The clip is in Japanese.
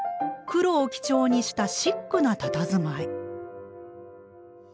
黒を基調にしたシックなたたずまい。